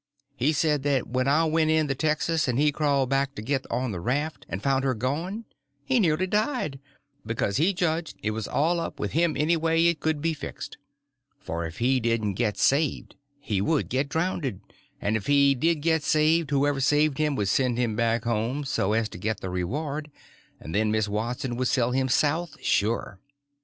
He said that when I went in the texas and he crawled back to get on the raft and found her gone he nearly died, because he judged it was all up with him anyway it could be fixed; for if he didn't get saved he would get drownded; and if he did get saved, whoever saved him would send him back home so as to get the reward, and then Miss Watson would sell him South, sure.